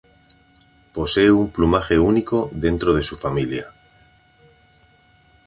Posee un plumaje único dentro de su familia.